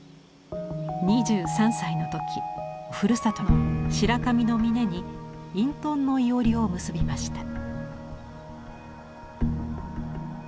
２３歳の時ふるさとの白上の峰に隠とんの庵を結びました。